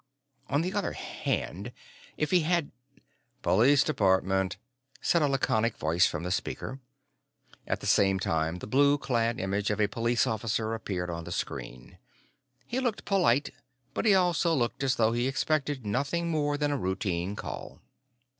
On the other hand, if he had "Police Department," said a laconic voice from the speaker. At the same time, the blue clad image of a police officer appeared on the screen. He looked polite, but he also looked as though he expected nothing more than a routine call.